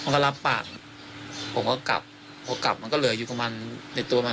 มันก็ลับปากผมก็กลับพอกลับมันก็เหลืออยู่กับมันในตัวมัน